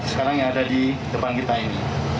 sekarang yang ada di depan kita ini